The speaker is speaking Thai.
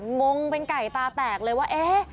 งงเป็นไก่ตาแตกเลยว่าเอ๊ะ